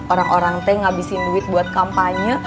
orang orang teh ngabisin duit buat kampanye